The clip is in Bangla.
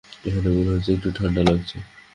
এখানে মনে হচ্ছে একটু ঠাণ্ডা লাগছে।